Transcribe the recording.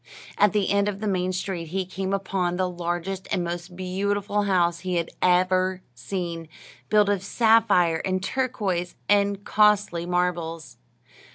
At the end of the main street he came upon the largest and most beautiful house he had ever seen, built of sapphire, and turquoise, and costly marbles.